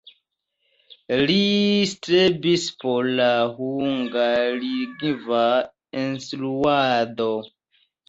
Li strebis por la hungarlingva instruado.